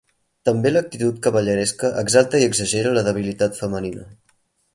També l'actitud cavalleresca exalta i exagera la debilitat femenina.